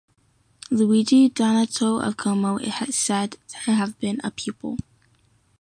Luigi Donato of Como is said to have been a pupil.